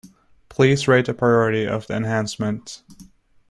Please rate the priority of the enhancement.